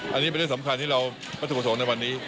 อันนี้เป็นเรื่องสำคัญที่เราปฏิเสธส่งในวันนี้